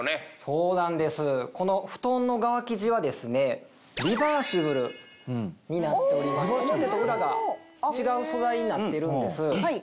そうなんですこの布団の側生地はですねリバーシブルになっておりまして表と裏が違う素材になっているんです。